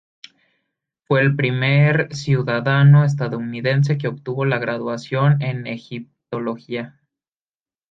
Fue el primer ciudadano estadounidense que obtuvo la graduación en Egiptología.